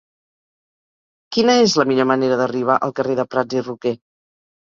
Quina és la millor manera d'arribar al carrer de Prats i Roquer?